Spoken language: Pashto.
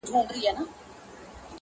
دی هم بل غوندي اخته په دې بلا سو-